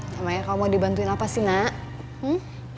sama ya kamu mau dibantuin apa sih nak